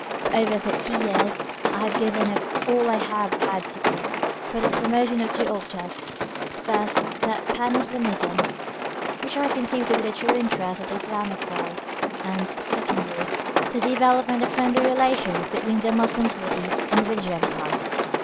For over thirty years I have given of all I have had to give, for the promotion of two objects: first, that Pan Islamism, which I conceive to be the true interest of the Islamic world; and, secondly, the development of friendly relations between the Moslems of the East and the British Empire.